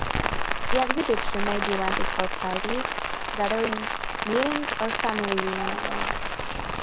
The exhibit room may be rented for parties, gatherings, meetings or family reunions.